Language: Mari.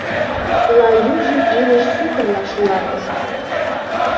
Лай южым илыш сукырла шулам.